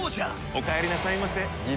おかえりなさいませギ